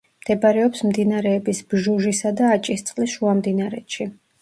მდებარეობს მდინარეების ბჟუჟისა და აჭისწყლის შუამდინარეთში.